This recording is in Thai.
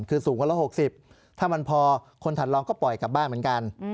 คือสูงคนละ๖๐ถ้ามันพอคนถัดลองก็ปล่อยกลับบ้านเหมือนกัน